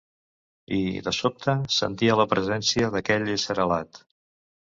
I, de sobte, sentia la presència d’aquell ésser alat.